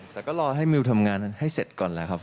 แต่ก็รอให้มิวทำงานให้เสร็จก่อนแล้วครับ